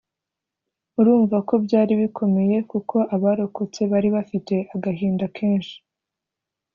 urumva ko byari bikomeye kuko abarokotse bari bafite agahinda kenshi